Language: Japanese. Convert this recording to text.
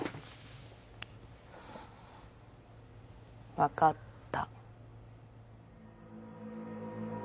分かった